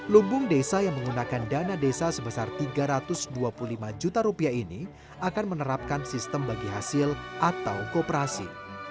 lumbung desa yang menggunakan dana desa sebesar tiga ratus dua puluh lima juta rupiah ini akan menerapkan sistem bagi hasil atau kooperasi